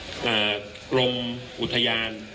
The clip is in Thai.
คุณผู้ชมไปฟังผู้ว่ารัฐกาลจังหวัดเชียงรายแถลงตอนนี้ค่ะ